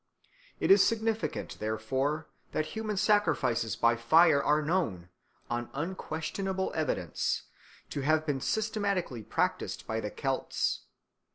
It is significant, therefore, that human sacrifices by fire are known, on unquestionable evidence, to have been systematically practised by the Celts.